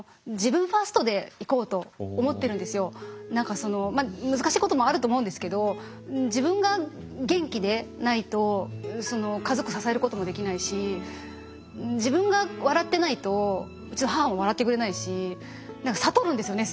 とにかくまあ難しいこともあると思うんですけど自分が元気でないと家族支えることもできないし自分が笑ってないとうちの母も笑ってくれないし何か悟るんですよね